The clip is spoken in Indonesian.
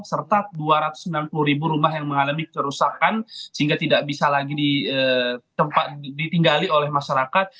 serta dua ratus enam puluh ribu rumah yang mengalami kerusakan sehingga tidak bisa lagi ditinggali oleh masyarakat